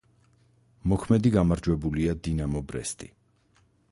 მოქმედი გამარჯვებულია „დინამო ბრესტი“.